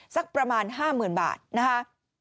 สักประมาณ๕๐๐๐บาทนะคะ